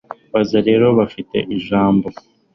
Baza rero bafite ijambo